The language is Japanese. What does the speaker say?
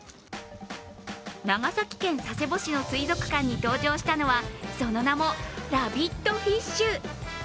長崎県佐世保市の水族館に登場したのは、その名もラビットフィッシュ。